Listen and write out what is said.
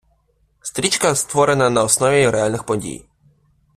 Стрічка створена на основі реальних подій.